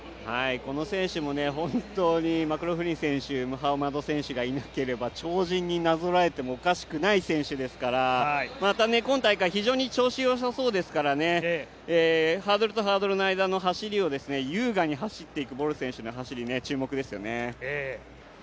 この選手も本当にマクローフリン選手、ムハマド選手がいなければ超人になぞらえてもおかしくない選手ですからまた今大会、非常に調子よさそうですからね、ハードルとハードルの間の走りを優雅に走っていくボル選手の走り、注目ですよね。